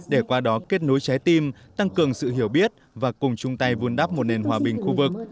để qua đó kết nối trái tim tăng cường sự hiểu biết và cùng chung tay vun đắp một nền hòa bình khu vực